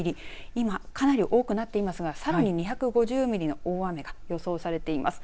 今、かなり多くなっていますがさらに２５０ミリの大雨が予想されています。